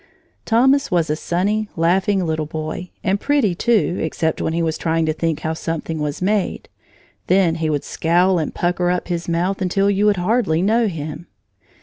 Thomas was a sunny, laughing, little boy, and pretty, too, except when he was trying to think how something was made; then he would scowl and pucker up his mouth until you would hardly know him.